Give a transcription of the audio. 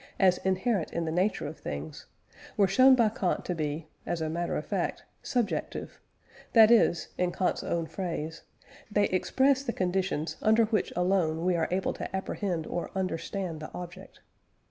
as inherent in the nature of things, were shewn by Kant to be, as a matter of fact, subjective, that is (in Kant's own phrase) "they express the conditions under which alone we are able to apprehend or understand the object."